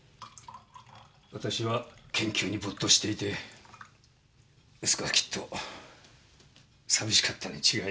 わたしは研究に没頭していて息子はきっと寂しかったに違いない。